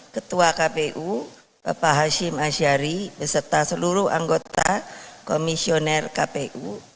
ketua kpu bapak hashim asyari beserta seluruh anggota komisioner kpu